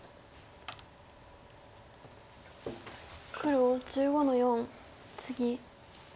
黒１５の四ツギ。